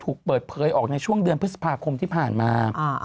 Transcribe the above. ถูกเปิดเผยออกในช่วงเดือนพฤษภาคมที่ผ่านมา